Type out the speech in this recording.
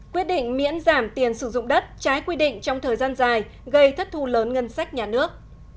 quyết định miễn giảm tiền sử dụng đất trái quy định trong thời gian dài gây thất thu lớn ngân sách nhà nước